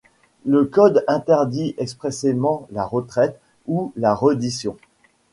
Le code interdit expressément la retraite ou la reddition.